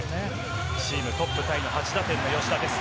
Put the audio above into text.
チームトップタイの８打点の吉田です。